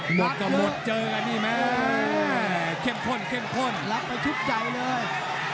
หมดกับหมดเจอกันนี่แหมแข็งข้นแข็งข้นลับไปชุดใจเลย